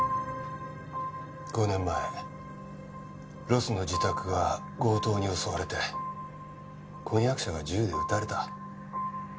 ５年前ロスの自宅が強盗に襲われて婚約者が銃で撃たれた。